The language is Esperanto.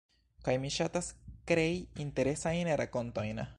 kaj mi ŝatas krei interesajn rakontojn